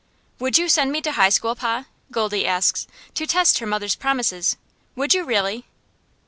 "Would you send me to high school, pa?" Goldie asks, to test her mother's promises. "Would you really?"